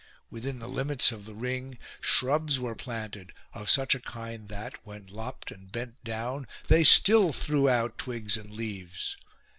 Within the limits of the ring shrubs were planted of such a kind that, when lopped and bent down, they still threw out twigs and leaves.